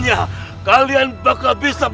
aku yang mem